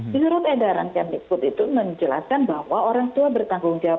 menurut edaran kementerian pendidikan dan kebudayaan itu menjelaskan bahwa orang tua bertanggung jawab